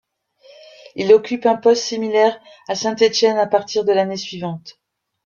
Il occupe un poste similaire à Saint-Étienne à partir de l'année suivante.